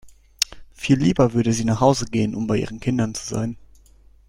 Viel lieber würde sie nach Hause gehen, um bei ihren Kindern zu sein.